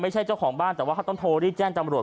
เจ้าของบ้านแต่ว่าเขาต้องโทรรีบแจ้งจำรวจ